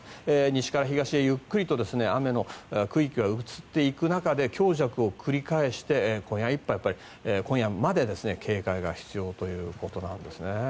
西から東へゆっくりと雨の区域が移っていく中で強弱を繰り返して今夜まで警戒が必要ということなんですね。